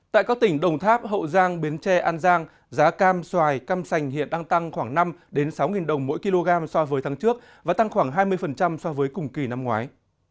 tại các tỉnh đồng tháp hậu giang biến tre an giang giá cam xoài cam sành hiện đang tăng khoảng năm sáu đồng mỗi kg so với tháng trước và tăng khoảng hai mươi so với cùng kỳ năm ngoái